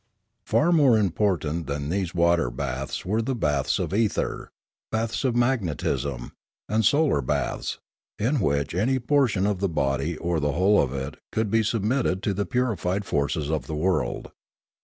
Far more important than these water baths were the baths of ether, baths of magnetism, and solar baths, in which any portion of the body or the whole of it could be submitted to the purified forces of the world.